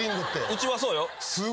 うちはそうよ。